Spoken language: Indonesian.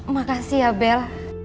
makasih ya bel